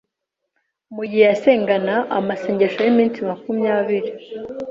mu gihe yasengana amasengesho y’ iminsi makumyabiri